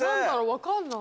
分かんない。